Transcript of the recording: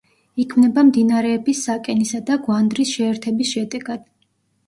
იქმნება მდინარეების საკენისა და გვანდრის შეერთების შედეგად.